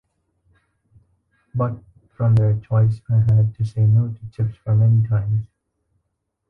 But from their choice I had to say no to chips for many times.